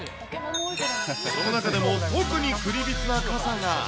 その中でも特にクリビツな傘が。